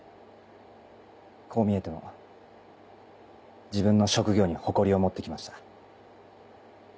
こう見えても自分の職業に誇りを持って来ました。